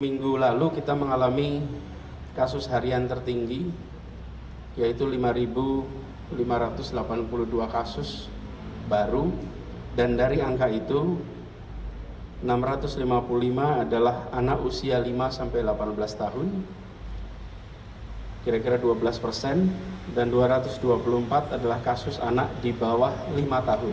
minggu lalu kita mengalami kasus harian tertinggi yaitu lima lima ratus delapan puluh dua kasus baru dan dari angka itu enam ratus lima puluh lima adalah anak usia lima delapan belas tahun kira kira dua belas persen dan dua ratus dua puluh empat adalah kasus anak di bawah lima tahun